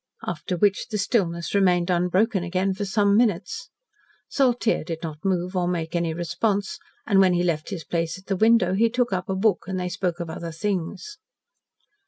After which the stillness remained unbroken again for some minutes. Saltyre did not move or make any response, and, when he left his place at the window, he took up a book, and they spoke of other things.